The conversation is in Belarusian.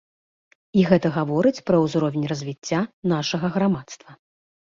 І гэта гаворыць пра ўзровень развіцця нашага грамадства.